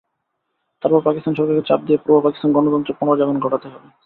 তারপর পাকিস্তান সরকারকে চাপ দিয়ে পূর্ব পাকিস্তানে গণতন্ত্রের পুনর্জাগরণ ঘটাতে হবে।